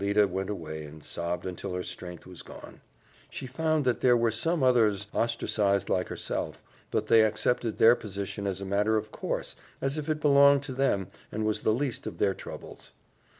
Alida went away and sobbed until her strength was gone. She found that there were some others ostracized like herself, but they accepted their position as a matter of course as if it belonged to them and was the least of their troubles.